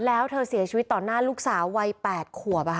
แล้วเธอเสียชีวิตต่อหน้าลูกสาววัย๘ขวบ